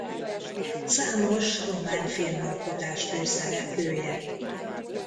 Számos román filmalkotás főszereplője.